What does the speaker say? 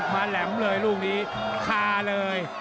แหลมเลยลูกนี้คาเลย